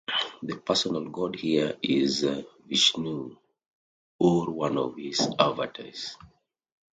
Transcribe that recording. The personal god here is Vishnu or one of his avatars.